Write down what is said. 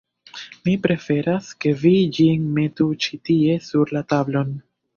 Mi preferas, ke vi ĝin metu tie ĉi, sur la tablon!